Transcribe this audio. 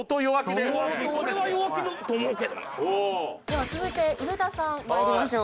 では続いて上田さん参りましょう。